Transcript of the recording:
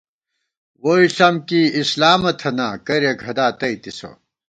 ووئی ݪم کی اسلامہ تھنا کرېک ہدا تئیتِسہ